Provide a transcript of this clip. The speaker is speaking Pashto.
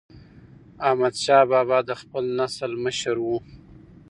احمدشاه بابا د خپل نسل مشر و.